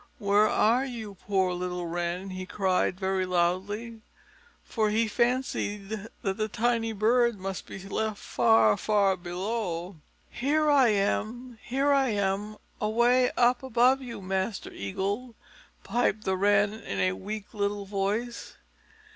"Where are you, poor little Wren?" he cried very loudly, for he fancied that the tiny bird must be left far, far below. "Here I am, here I am, away up above you, Master Eagle!" piped the Wren in a weak little voice.